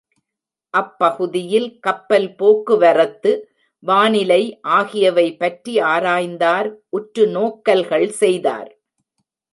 அப்பகுதியில் கப்பல் போக்குவரத்து, வானிலை ஆகியவை பற்றி ஆராய்ந்தார் உற்று நோக்கல்கள் செய்தார்.